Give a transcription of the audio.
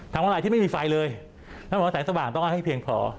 ทางมะลายที่ไม่มีไฟเลยแล้วผมบอกว่าแสงสว่างต้องให้เพียงพอ